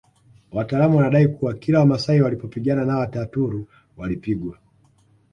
Wataalamu wanadai kuwa kila Wamasai walipopigana na Wataturu walipigwa